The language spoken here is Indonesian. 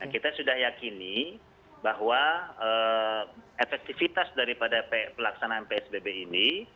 kita sudah yakini bahwa efektivitas daripada pelaksanaan psbb ini